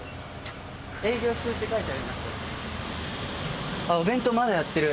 営業中って書いてある。